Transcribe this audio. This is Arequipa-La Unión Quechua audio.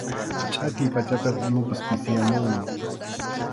Chʼakiy pachapiqa unupas pisiyamunmi.